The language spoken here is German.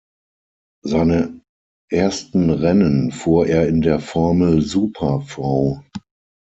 Seine ersten Rennen fuhr er in der Formel Super Vau.